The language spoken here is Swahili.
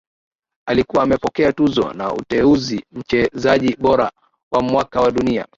Alikuwa amepokea tuzo na uteuzi mchezaji bora wa mwaka wa dunia